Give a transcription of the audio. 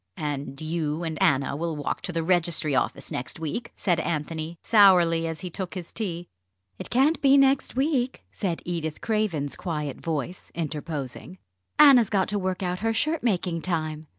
"And you and Anna will walk to the Registry Office next week?" said Anthony, sourly, as he took his tea. "It can't be next week," said Edith Craven's quiet voice, interposing. "Anna's got to work out her shirt making time.